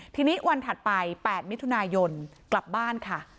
ทีนี้วันถัดไป๘มิถุนายนกลับบ้านค่ะ